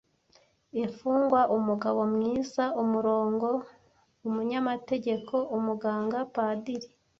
Imfungwa, umugabo-mwiza, umurongo, umunyamategeko, umuganga, padiri.